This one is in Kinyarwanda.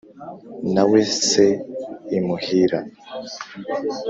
na we se i muhira,